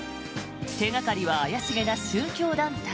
手掛かりは怪しげな宗教団体。